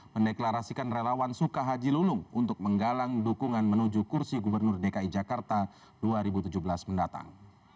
mendeklarasikan relawan suka haji lulung untuk menggalang dukungan menuju kursi gubernur dki jakarta dua ribu tujuh belas mendatang